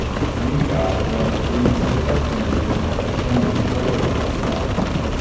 Jim Carter viene scoperto mentre sta cacciando di frodo e arrestato.